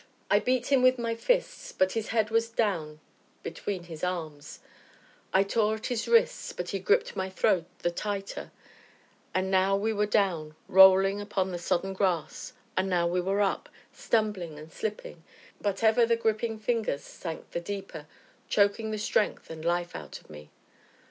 I beat him with my fists, but his head was down between his arms; I tore at his wrists, but he gripped my throat the tighter; and now we were down, rolling upon the sodden grass, and now we were up, stumbling and slipping, but ever the gripping fingers sank the deeper, choking the strength and life out of me.